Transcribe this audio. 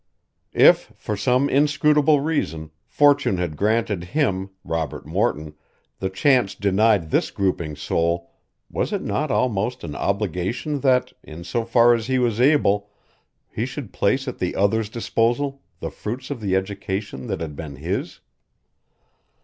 If, for some inscrutable reason, fortune had granted him, Robert Morton, the chance denied this groping soul, was it not almost an obligation that, in so far as he was able, he should place at the other's disposal the fruits of the education that had been his?